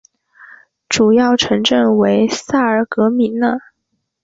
主要城镇为萨尔格米讷。